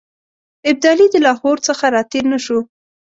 ابدالي د لاهور څخه را تېر نه شو.